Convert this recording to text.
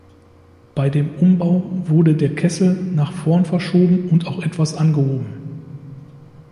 Bei dem Umbau wurde der Kessel nach vorn verschoben und auch etwas angehoben.